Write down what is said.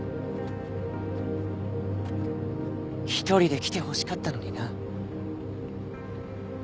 １人で来てほしかったのにな。